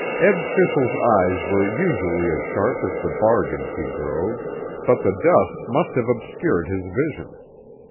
Ebb Fischel's eyes were usually as sharp as the bargains he drove, but the dust must have obscured his vision.